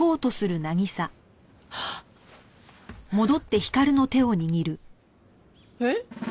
はっ！えっ？